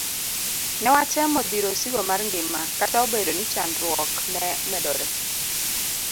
Newatemo dhiro osigo mar ngima kata obedo ni chandruok ne medore.